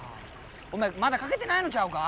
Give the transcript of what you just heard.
お前まだ描けてないのちゃうか。